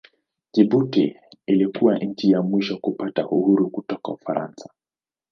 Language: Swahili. Jibuti ilikuwa nchi ya mwisho kupata uhuru kutoka Ufaransa.